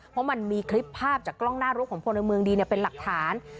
เพราะมันมีคลิปภาพจากกล้องหน้ารถของพลเมืองดีเป็นหลักฐาน